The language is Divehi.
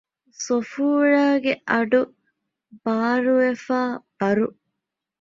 ޞަފޫރާގެ އަޑު ބަރުވެފައި ބާރު